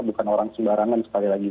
bukan orang sembarangan sekali lagi